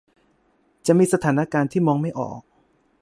จะมีสถานการณ์ที่มองไม่ออก